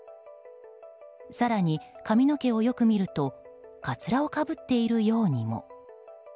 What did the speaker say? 更に髪の毛をよく見るとかつらをかぶっているようにも。